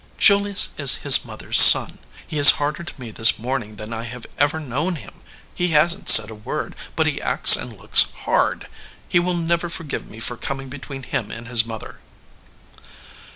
"Julius is his mother s son. He is harder to me this morning than I have ever known him. He hasn t said a word, but he acts and looks hard. He will never forgive me for coming between him and his mother."